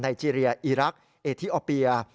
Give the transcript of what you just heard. ไนเจรียอิรักเอทีโอเบีย